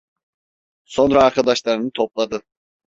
Sonra arkadaşlarını topladı.